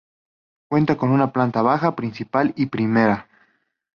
Cuenta con planta baja, principal y primera.